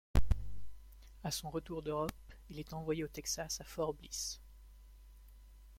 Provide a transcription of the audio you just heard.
À son retour d'Europe, il est envoyé au Texas à Fort Bliss.